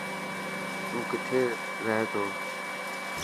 تو ڪٿي رهي ٿو.